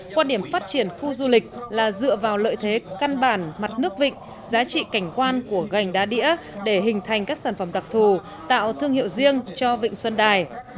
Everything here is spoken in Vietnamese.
quan điểm phát triển khu du lịch là dựa vào lợi thế căn bản mặt nước vịnh giá trị cảnh quan của gành đá đĩa để hình thành các sản phẩm đặc thù tạo thương hiệu riêng cho vịnh xuân đài